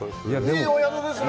いいお宿ですね。